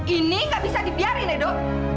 ini gak bisa dibiarin edo